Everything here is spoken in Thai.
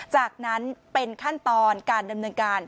จากนั้นเป็นขั้นตอนการดำเนินการ